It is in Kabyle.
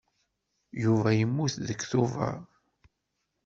Yuba yemmut deg Tubeṛ.